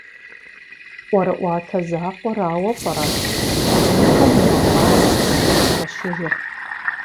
ӀуэрыӀуатэ закъуэрауэ пӀэрэ лъагъуныгъэм и макъамэр къызыхэщыжыр?